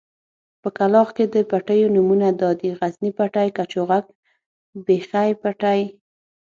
په کلاخ کې د پټيو نومونه دادي: غزني پټی، کچوغک، بېخۍ پټی.